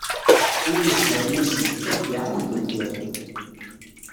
Win izegren asif, ur d-iɛan deg uneggaru.